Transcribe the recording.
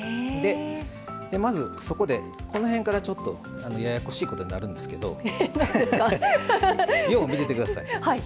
まず、この辺からちょっとややこしいことになるんですけどよう見ててください。